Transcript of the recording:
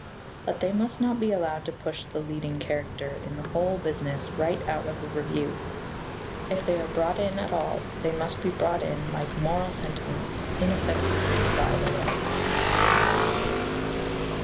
But they must not be allowed to push the leading character in the whole business right out of the review. If they are brought in at all, they must be brought in, like moral sentiments, inoffensively by the way.